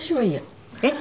えっ？